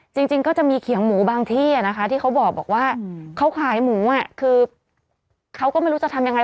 จริงก็จะมีเขียงหมูบางที่นะคะที่เขาบอกว่าเขาขายหมูอ่ะคือเขาก็ไม่รู้จะทำยังไง